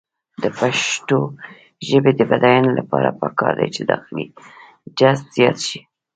د پښتو ژبې د بډاینې لپاره پکار ده چې داخلي جذب زیات شي.